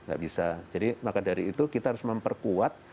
nggak bisa jadi maka dari itu kita harus memperkuat